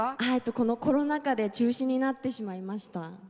このコロナ禍で中止になってしまいました。